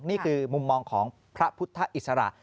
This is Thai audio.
นี่คือมุมมองของพระพุทธอิสระ